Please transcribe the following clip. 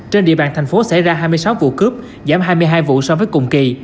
trên địa bàn thành phố xảy ra hai mươi sáu vụ cướp giảm hai mươi hai vụ so với cùng kỳ